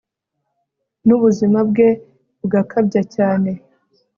nubuzima bwe mugakabya cyane